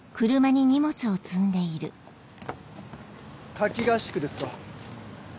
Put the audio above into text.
夏期合宿ですか。